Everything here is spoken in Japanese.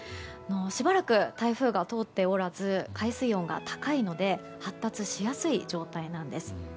しばらく台風が通っておらず海水温が高いので発達しやすい状態なんです。